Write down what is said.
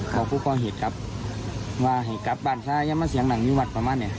บอกผู้ก่อเหตุกรับว่าให้กรับบ้านสระยะมะเสียงหลังนิวัฒน์ประมาณเนี่ย